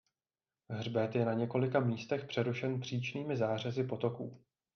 Hřbet je na několika místech přerušen příčnými zářezy potoků.